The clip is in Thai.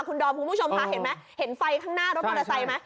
คุณผู้ชมค่ะเห็นไหมเห็นไฟข้างหน้ารถตัวตลาดใตรมั้ย